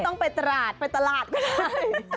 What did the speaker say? ต้องไปตราดไปตลาดก็ได้